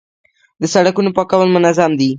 د سړکونو پاکول منظم دي؟